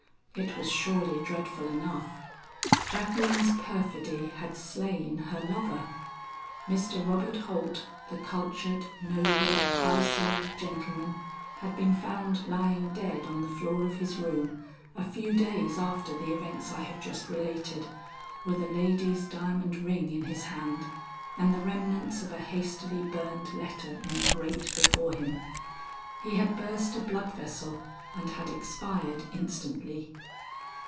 It was surely dreadful enough; Jacqueline's perfidy had slain her lover. Mr. Robert Holt, the cultured, noble, high souled gentleman, had been found lying dead on the floor of his room, a few days after the events I have just related, with a lady's diamond ring in his hand and the remnants of a hastily burned letter in the grate before him. He had burst a blood vessel, and had expired instantly.